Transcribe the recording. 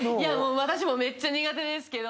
私もめっちゃ苦手ですけど。